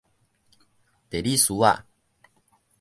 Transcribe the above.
地理師仔